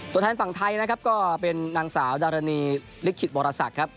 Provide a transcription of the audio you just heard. ตัวแทนฝั่งไทยนะครับก็เป็นนางสาวดารณีลิขิตวรสักครับ